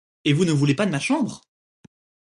Et vous ne voulez pas de ma chambre !